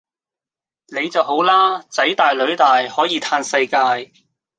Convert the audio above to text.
你就好啦！囝大囡大可以嘆世界